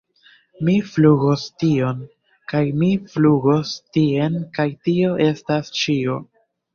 Mi flugos tion... kaj mi flugos tien kaj tio estas ĉio!!